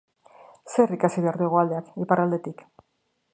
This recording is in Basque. Zer ikasi behar du Hegoaldeak Iparraldetik?